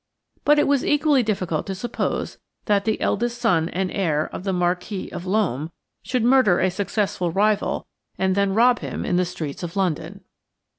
But it was equally difficult to suppose that the eldest son and heir of the Marquis of Loam should murder a successful rival and then rob him in the streets of London.